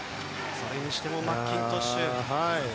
それにしてもマッキントッシュ。